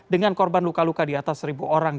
dengan korban luka luka diatas seribu orang